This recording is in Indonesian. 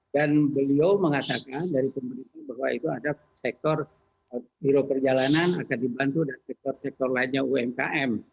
dan beliau mengatakan dari pemerintah bahwa itu ada sektor tiro perjalanan akan dibantu dan sektor sektor lainnya umkm